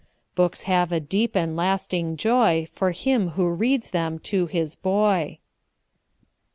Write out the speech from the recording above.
Books have a deep and lasting joy For him who reads them to his boy.